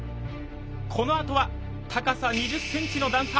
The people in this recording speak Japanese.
このあとは高さ２０ｃｍの段差！